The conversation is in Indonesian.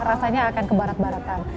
rasanya akan kebarat baratan